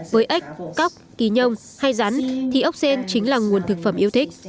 với ếch cóc kỳ nhông hay rắn thì ốc sen chính là nguồn thực phẩm yêu thích